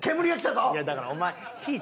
いやだからお前火。